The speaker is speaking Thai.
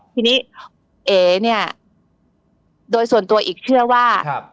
ทีนี้เอ๋เนี่ยโดยส่วนตัวอีกเชื่อว่า